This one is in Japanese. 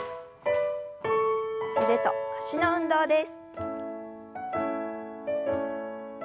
腕と脚の運動です。